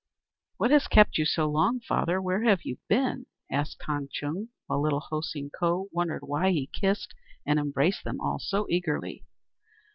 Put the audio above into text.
"What has kept you so long, father? Where have you been?" asked Han Chung, while little Ho Seen Ko wondered why he kissed and embraced them all so eagerly.